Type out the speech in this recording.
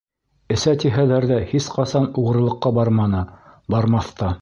Эсә тиһәләр ҙә, һис ҡасан уғрылыҡҡа барманы, бармаҫ та.